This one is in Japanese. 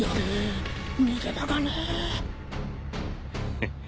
フッ。